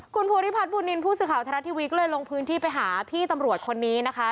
คุณภูริพัฒนบุญนินทร์ผู้สื่อข่าวไทยรัฐทีวีก็เลยลงพื้นที่ไปหาพี่ตำรวจคนนี้นะคะ